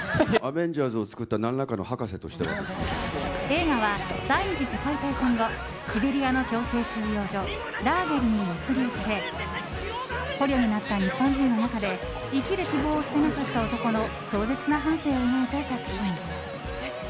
映画は、第２次世界大戦後シベリアの強制収容所ラーゲリに抑留され捕虜になった日本人の中で生きる希望を捨てなかった男の壮絶な半生を描いた作品。